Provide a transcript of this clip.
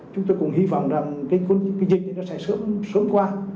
chúng tôi cũng hy vọng là cái dịch này nó sẽ sớm qua